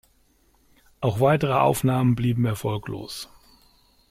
Auch weitere Aufnahmen blieben erfolglos.